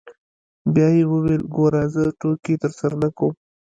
بيا يې وويل ګوره زه ټوکې درسره نه کوم.